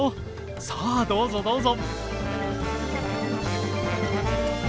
さあどうぞどうぞ。